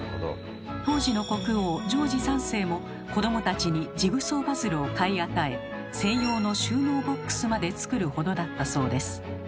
当時の国王ジョージ３世も子どもたちにジグソーパズルを買い与え専用の収納ボックスまで作るほどだったそうです。